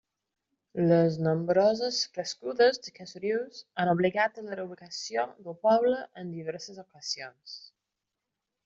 Les nombroses crescudes d'aquests rius han obligat a la reubicació del poble en diverses ocasions.